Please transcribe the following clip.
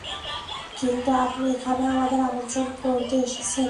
কিন্তু আপনি এখানে আমাদের আমন্ত্রণ করতে এসেছেন।